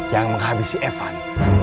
yang menghabisi evan